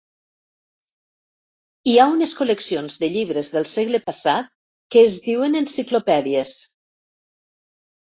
Hi ha unes col·leccions de llibres del segle passat que es diuen enciclopèdies.